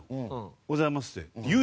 「おはようございます」。